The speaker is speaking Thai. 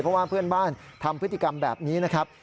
เพราะว่าเพื่อนบ้านทำพฤติกรรมแบบนี้นะครับ